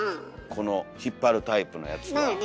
この引っ張るタイプのやつは。